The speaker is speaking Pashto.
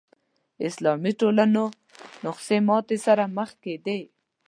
اسلامي ټولنو نسخې ماتې سره مخ کېدې